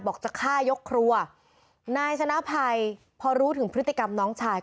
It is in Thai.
จะฆ่ายกครัวนายชนะภัยพอรู้ถึงพฤติกรรมน้องชาย